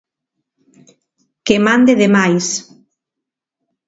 Que mande de máis.